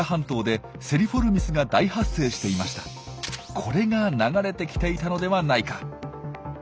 これが流れてきていたのではないか？